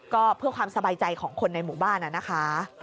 ก็เพื่อความสบายใจของคนในหมู่บ้านนะคะ